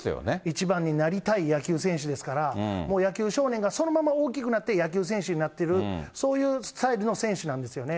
一番になりたい野球選手ですから、もう野球少年が、そのまま大きくなって、野球選手になってる、そういうスタイルの選手なんですよね。